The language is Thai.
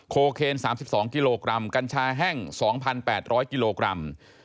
โคเคน๓๒กิโลกรัมกัญชาแห้ง๒๘๐๐กิโลกรัม